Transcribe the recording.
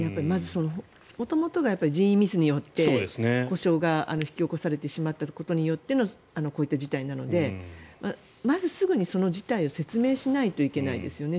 元々が人為ミスによって故障が引き起こされてしまったことによってのこういった事態なのでまずすぐにその事態を説明しないといけないですよね。